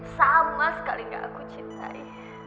sama sekali gak aku cintai